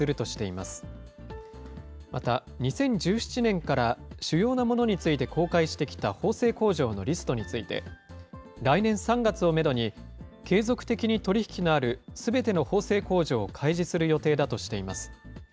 また、２０１７年から主要なものについて公開してきた縫製工場のリストについて、来年３月をメドに、継続的に取り引きのあるすべての縫製工場を開示する予定だとしています。